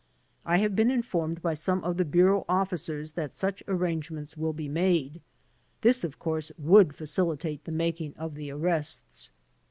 I have been informed by some of the bureau officers that such arrange xxients will be made. This, of course, would facilitate the making of the arrests."